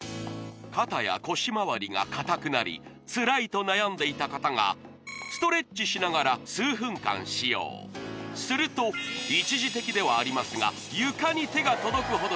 肩や腰まわりがかたくなりつらいと悩んでいた方がストレッチしながら数分間使用すると一時的ではありますが床に手が届くほどやわらかくなり